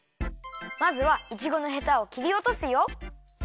まずはいちごのヘタをきりおとすよ。